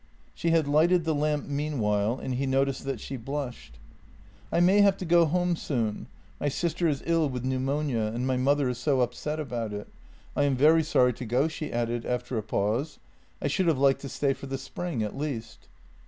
She had lighted the lamp meanwhile, and he noticed that she blushed. " I may have to go home soon. My sister is ill with pneu monia, and my mother is so upset about it. I am very sorry to go," she added after a pause. " I should have liked to stay for the spring at least."